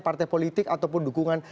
partai politik ataupun dukungan